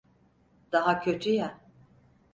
Daha kötü ya...